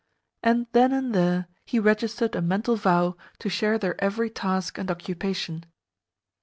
And then and there he registered a mental vow to share their every task and occupation.